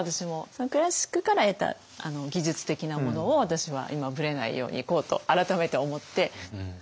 そのクラシックから得た技術的なものを私は今ぶれないようにいこうと改めて思って。